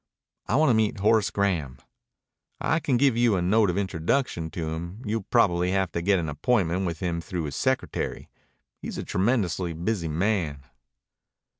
"I want to meet Horace Graham." "I can give you a note of introduction to him. You'll probably have to get an appointment with him through his secretary. He's a tremendously busy man."